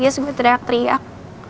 tadi gue sempet histeris gue teriak teriak